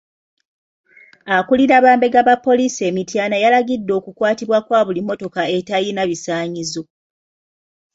Akulira bambega ba poliisi e Mityana yalagidde okukwatibwa kwa buli mmotoka etayina bisaanyizo.